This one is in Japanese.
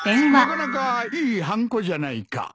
なかなかいいはんこじゃないか。